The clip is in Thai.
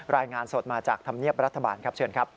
รายงานสดมาจากธรรมเนียบรัฐบาลครับเชิญครับ